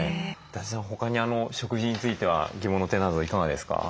伊達さん他に食事については疑問な点などいかがですか？